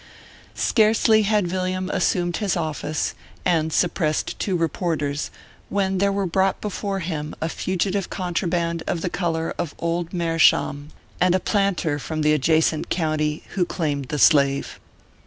Scarcely had Villiam assumed his office and sup pressed two reporters, when there were brought before him a fugitive contraband of the color of old meer 320 ORPHEUS C. KERR PAPERS. schaum, and a planter from the adjacent county, who claimed the slave.